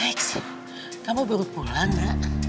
lex kamu baru pulang ya